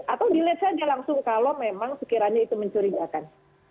atau dilihat saja langsung kalau memang sekiranya itu mencurigakan